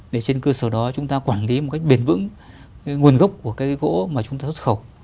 để trên cơ sở đó chúng ta quản lý một cách bền vững cái nguồn gốc của cái gỗ mà chúng ta xuất khẩu